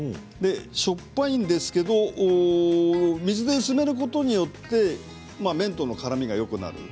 しょっぱいんですけど水で薄めることによって麺とのからみがよくなる。